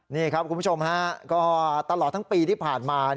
นี่ครับคุณผู้ชมฮะก็ตลอดทั้งปีที่ผ่านมา